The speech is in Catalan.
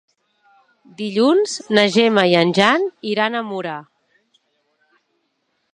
Dilluns na Gemma i en Jan iran a Mura.